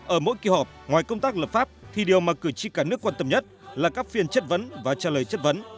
ở mỗi kỳ họp ngoài công tác lập pháp thì điều mà cử tri cả nước quan tâm nhất là các phiên chất vấn và trả lời chất vấn